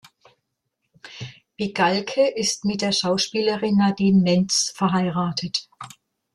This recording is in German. Bigalke ist mit der Schauspielerin Nadine Menz verheiratet.